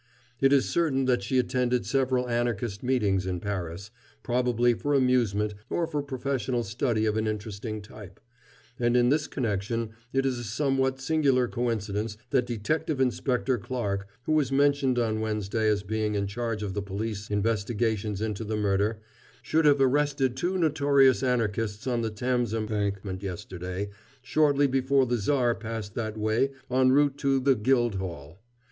It is certain that she attended several Anarchist meetings in Paris, probably for amusement or for professional study of an interesting type, and in this connection it is a somewhat singular coincidence that Detective Inspector Clarke, who was mentioned on Wednesday as being in charge of the police investigations into the murder, should have arrested two notorious Anarchists on the Thames Embankment yesterday shortly before the Tsar passed that way en route to the Guildhall.